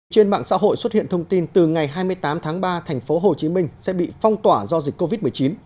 trên mạng xã hội xuất hiện thông tin từ ngày hai mươi tám tháng ba thành phố hồ chí minh sẽ bị phong tỏa do dịch covid một mươi chín